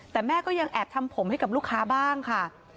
แต่แม่ก็ยังแอบทำผมให้กับลูกค้าบ้างค่ะ